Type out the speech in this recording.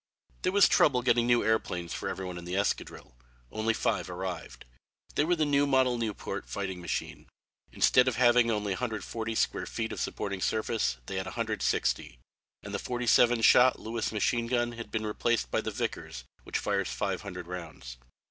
There was trouble getting new airplanes for every one in the escadrille. Only five arrived. They were the new model Nieuport fighting machine. Instead of having only 140 square feet of supporting surface, they had 160, and the forty seven shot Lewis machine gun had been replaced by the Vickers, which fires five hundred rounds.